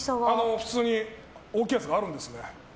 普通に大きいやつがあるんです。